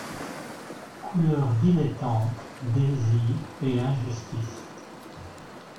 Couleurs dilettantes, désir et injustice.